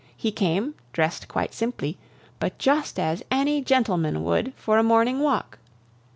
He came, dressed quite simply, but just as any gentleman would for a morning walk.